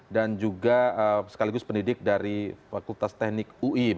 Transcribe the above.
dan juga sekaligus pendidik dari fakultas teknik ui